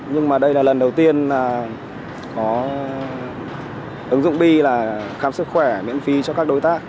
nhưng mà đây là lần đầu tiên có ứng dụng b là khám sức khỏe miễn phí cho các đối tác